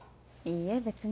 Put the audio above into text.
いいえ別に。